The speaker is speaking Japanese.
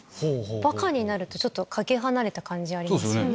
「バカになる」と懸け離れた感じありますよね。